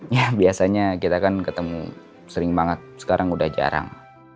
ya biasanya kita kan ketemu sering banget sekarang udah jarang